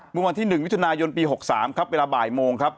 เมื่อวันที่๑มิถุนายนปี๖๓ครับเวลาบ่ายโมงครับ